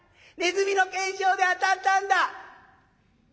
ネズミの懸賞で当たったんだ」。